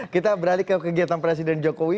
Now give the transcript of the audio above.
kita beralih ke kegiatan presiden jokowi